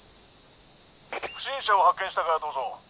不審者を発見したかどうぞ。